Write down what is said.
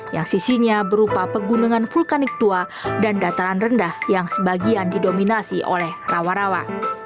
yang sisinya berupa pegunungan vulkanik tua dan dataran rendah yang sebagian didominasi oleh rawa rawa